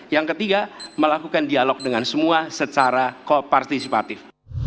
yang ketiga melakukan dialog dengan semua secara partisipatif